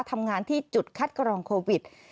ทำงานที่จุดคัดกรองโควิด